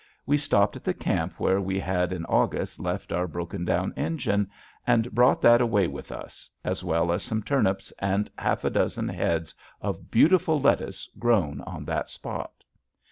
We stopped at the camp where we had in August left our broken down engine, and brought that away with us, as well as some turnips and half a dozen heads of beautiful lettuce grown on that spot.